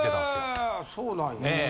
へぇそうなんや。